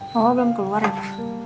mama belum keluar ya pak